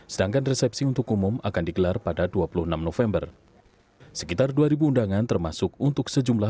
sedangkan resepsi untuk umum akan diberikan di bukit hijau regensi di medan